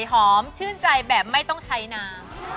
หอมชื่นใจแบบไม่ต้องใช้น้ำ